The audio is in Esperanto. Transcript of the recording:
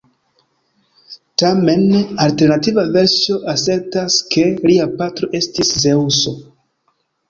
Tamen, alternativa versio asertas ke lia patro estis Zeŭso.